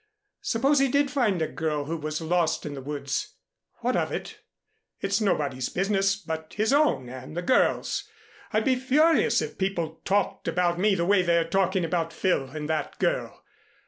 Suppose he did find a girl who was lost in the woods. What of it? It's nobody's business but his own and the girl's. I'd be furious if people talked about me the way they're talking about Phil and that girl.